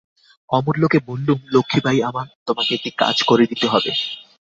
অমূল্যকে বললুম, লক্ষ্মী ভাই আমার, তোমাকে একটি কাজ করে দিতে হবে।